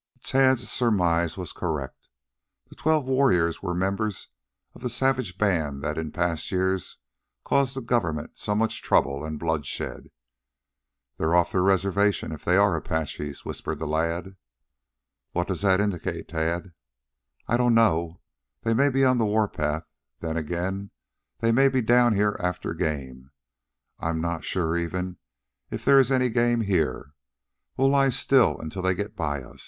Tad's surmise was correct. The twelve warriors were members of the savage band that had in past years caused the Government so much trouble and bloodshed. "They're off their reservation, if they are Apaches," whispered the lad. "What does that indicate, Tad?" "I don't know. They may be on the warpath; then, again, they may be down here after game. I'm not sure even, if there is any game here. We'll lie still until they get by us.